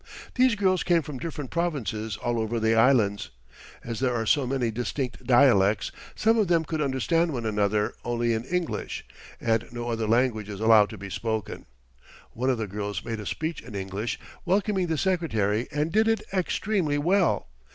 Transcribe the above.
These girls came from different provinces all over the Islands. As there are so many distinct dialects, some of them could understand one another only in English, and no other language is allowed to be spoken. One of the girls made a speech in English welcoming the Secretary and did it extremely well.